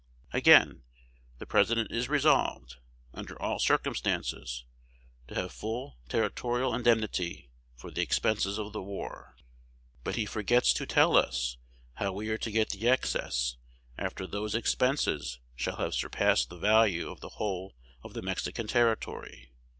Again, the President is resolved, under all circumstances, to have full territorial indemnity for the expenses of the war; but he forgets to tell us how we are to get the excess after those expenses shall have surpassed the value of the whole of the Mexican territory.